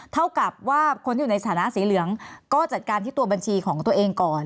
เท่ากับว่าคนที่อยู่ในสถานะสีเหลืองก็จัดการที่ตัวบัญชีของตัวเองก่อน